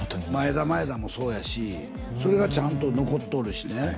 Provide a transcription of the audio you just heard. だまえだもそうやしそれがちゃんと残っとるしね